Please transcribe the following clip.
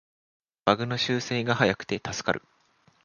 バグの修正が早くて助かる